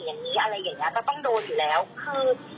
เขาจะทำยังไง